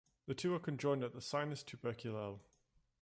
The two are conjoined at the sinus tubercle.